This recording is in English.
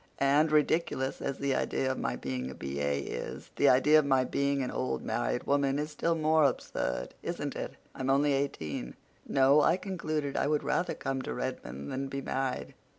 And, ridiculous as the idea of my being a B.A. is, the idea of my being an old married woman is still more absurd, isn't it? I'm only eighteen. No, I concluded I would rather come to Redmond than be married.